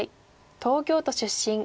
東京都出身。